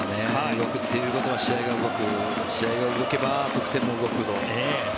動くということは試合が動く試合が動けば得点も動く。